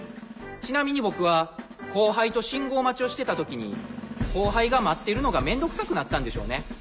ちなみに僕は後輩と信号待ちをしてた時に後輩が待ってるのが面倒くさくなったんでしょうね。